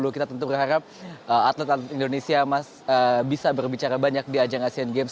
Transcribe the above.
kita tentu berharap atlet atlet indonesia bisa berbicara banyak di ajang asean games